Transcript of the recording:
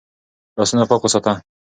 لاسونه پاک وساته.